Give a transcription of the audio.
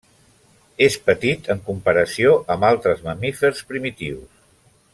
És petit en comparació amb altres mamífers primitius.